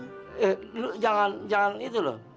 eh lu jangan jangan itu loh